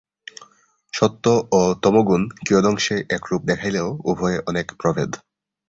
সত্ত্ব ও তমোগুণ কিয়দংশে একরূপ দেখাইলেও উভয়ে অনেক প্রভেদ।